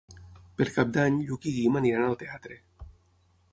Per Cap d'Any en Lluc i en Guim aniran al teatre.